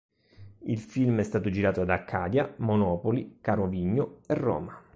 Il film è stato girato ad Accadia, Monopoli, Carovigno e Roma.